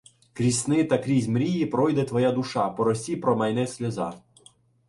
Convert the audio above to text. Крізь сни та крізь мрії пройде твоя душа, По росі промайне сльоза.